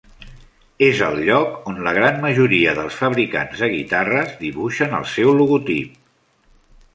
És el lloc on la gran majoria dels fabricants de guitarra dibuixen el seu logotip.